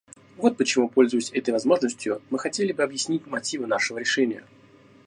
Вот почему, пользуясь этой возможностью, мы хотели бы объяснить мотивы нашего решения.